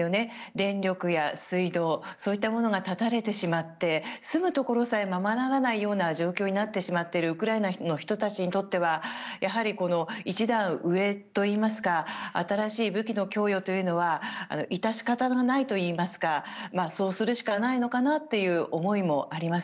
電力や水道そういったものが断たれてしまって住むところさえままならない状況になってしまっているウクライナの人たちにとってはやはり、一段上といいますか新しい武器の供与というのは致し方のないと言いますかそうするしかないのかなという思いもあります。